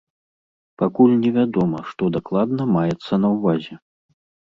Пакуль невядома, што дакладна маецца на ўвазе.